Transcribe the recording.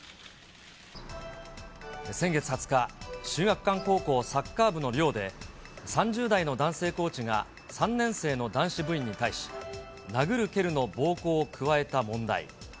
先月２０日、秀岳館高校サッカー部の寮で、３０代の男性コーチが３年生の男子部員に対し、殴る蹴るの暴行を加えた問題。